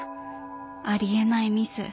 ありえないミス。